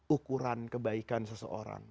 ukuran kebaikan seseorang